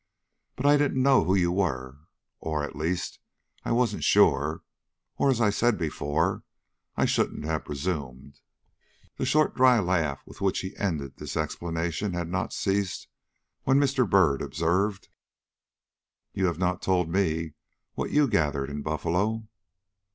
But I didn't know who you were, or, at least, I wasn't sure; or, as I said before, I shouldn't have presumed." The short, dry laugh with which he ended this explanation had not ceased, when Mr. Byrd observed: "You have not told me what you gathered in Buffalo."